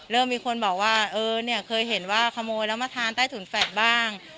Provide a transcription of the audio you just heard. เริ่มมีคนบอกว่าเออเนี่ยเคยเห็นว่าขโมยแล้วมาทานใต้ถุนแฝดบ้าง